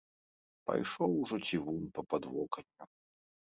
Пайшоў ужо цівун па падвоканню!